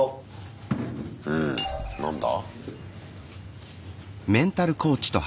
うん。何だ？